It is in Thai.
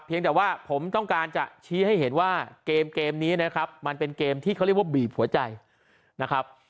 แต่ว่าผมต้องการจะชี้ให้เห็นว่าเกมนี้นะครับมันเป็นเกมที่เขาเรียกว่าบีบหัวใจนะครับ